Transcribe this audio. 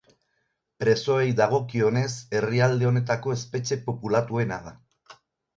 Presoei dagokionez herrialde honetako espetxe populatuena da.